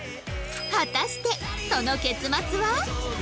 果たしてその結末は？